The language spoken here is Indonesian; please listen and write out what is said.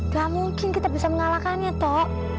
gak mungkin kita bisa mengalahkannya tok